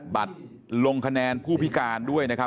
บัตรลงคะแนนผู้พิการด้วยนะครับ